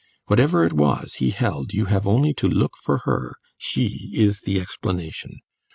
Whatever it was, he held, you have only to look for her; she is the explanation.